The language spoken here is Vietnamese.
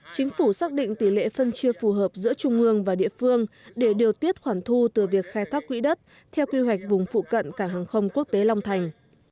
chính phủ xác định tỷ lệ phân chia phù hợp giữa trung ương và địa phương để điều tiết khoản thu từ việc khai thác quỹ đất theo quy hoạch vùng phụ cận cảng hàng không quốc tế long thành